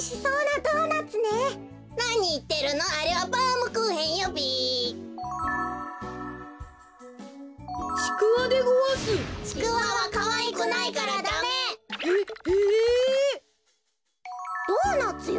ドーナツよ。